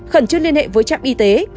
khẩn trương liên hệ với trạm y tế